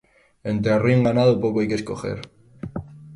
Entre ruin ganado poco hay que escoger.